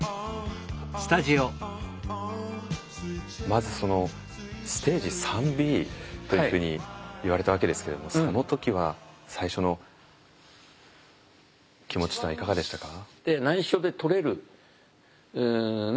まずそのステージ３ｂというふうに言われたわけですけれどもその時は最初の気持ちというのはいかがでしたか？